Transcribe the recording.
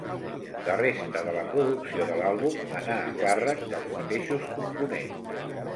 La resta de la producció de l'àlbum anà a càrrec dels mateixos components.